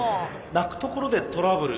鳴くところでトラブル。